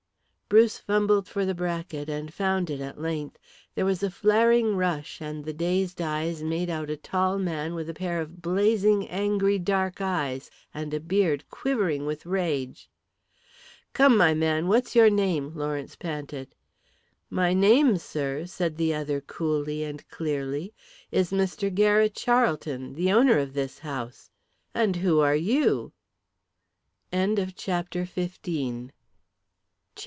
Bruce fumbled for the bracket, and found it at length. There was a flaring rush and then dazed eyes made out a tall man with a pair of blazing angry dark eyes, and a beard quivering with rage. "Come my man, what's your name?" Lawrence panted. "My name, sir," said the other coolly and clearly, "is Mr. Garrett Charlton, the owner of this house. And who are you?" CHAPTER XVI.